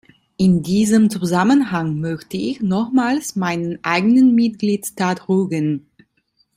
In diesem Zusammenhang möchte ich nochmals meinen eigenen Mitgliedstaat rügen.